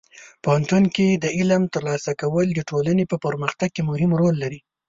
پوهنتون کې د علم ترلاسه کول د ټولنې په پرمختګ کې مهم رول لري.